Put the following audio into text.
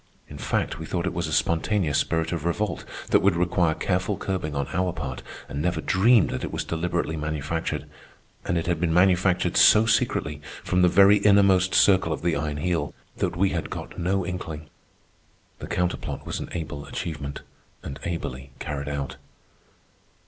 In fact, we thought it was a spontaneous spirit of revolt that would require careful curbing on our part, and never dreamed that it was deliberately manufactured—and it had been manufactured so secretly, from the very innermost circle of the Iron Heel, that we had got no inkling. The counter plot was an able achievement, and ably carried out.